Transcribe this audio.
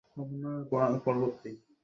কিন্তু আপনাকে বাস্তববাদী হতে হবে।